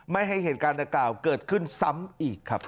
ไม่ให้เห็นการต่างเกิดขึ้นซ้ำอีกครับ